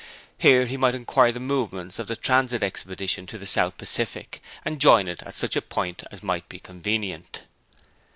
Here he might inquire the movements of the Transit expedition to the South Pacific, and join it at such a point as might be convenient.